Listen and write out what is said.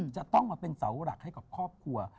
จะต้องมาเป็นเสาหลักให้กับครอบครัว